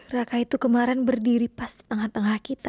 raka itu kemarin berdiri pas tengah tengah kita